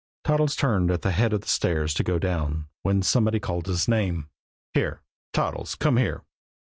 Toddles turned at the head of the stairs to go down, when somebody called his name. "Here Toddles! Come here!"